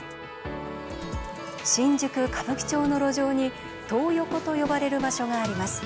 新宿・歌舞伎町の路上に「トー横」と呼ばれる場所があります。